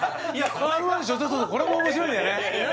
そうこれも面白いんだよね何何？